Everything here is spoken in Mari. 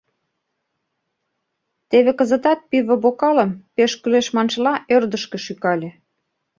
Теве кызытат пиве бокалым «Пеш кӱлеш!» маншыла ӧрдыжкӧ шӱкале.